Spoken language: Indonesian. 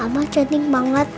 mama jening banget